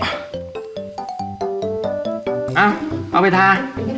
เอาเอาไปทา